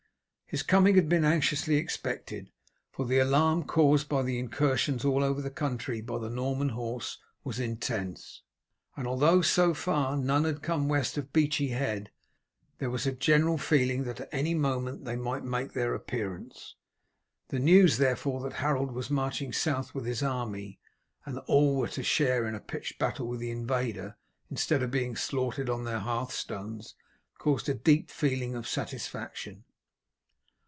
His coming had been anxiously expected, for the alarm caused by the incursions all over the country by the Norman horse was intense; and although, so far, none had come west of Beachy Head, there was a general feeling that at any moment they might make their appearance. The news, therefore, that Harold was marching south with his army, and that all were to share in a pitched battle with the invader instead of being slaughtered on their hearthstones, caused a deep feeling of satisfaction.